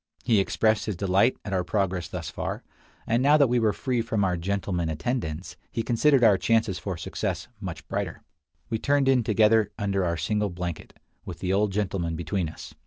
He expressed his delight at our progress thus far; and now that we were free from our "gentlemen" attendants, he considered our chances for success much brighter. We turned in together under our single blanket, with the old gentleman between us.